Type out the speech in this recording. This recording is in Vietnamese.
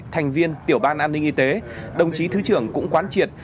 thành viên tiểu ban an ninh y tế đồng chí thứ trưởng cũng quán triệt